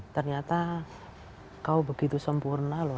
ternyata kau begitu sempurna loh